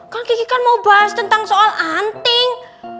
kang kiki kan mau bahas tentang soal anting